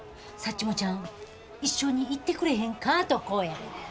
サッチモちゃん一緒に行ってくれへんか？」とこうや。